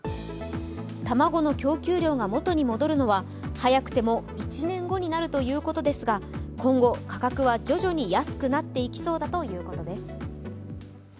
卵の供給量が基に戻るのは早くても１年後になるということですが今後、価格は徐々に安くなっていきそうだということです。